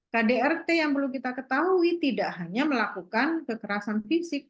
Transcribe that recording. kdrt yang perlu kita ketahui tidak hanya melakukan kekerasan fisik